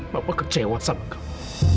bapak kecewa sama kamu